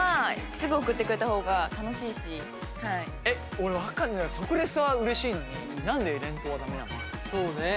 俺分かんないのが即レスはうれしいのに何で連投は駄目なんだろうね。